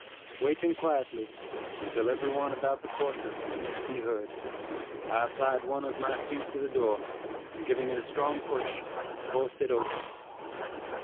Waiting quietly, until every one about the quarter had ceased to be heard, I applied one of my feet to the door, and giving it a strong push, forced it open.